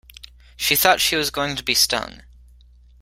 She thought she was going to be stung.